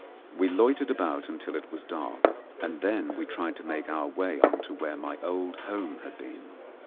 We loitered about until it was dark, and then tried to make our way on to where my old home had been.